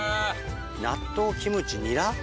納豆キムチニラ。